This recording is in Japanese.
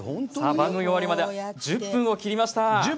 番組終わりまで１０分を切りました。